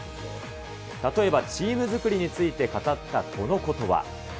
例えばチーム作りについて語ったこのことば。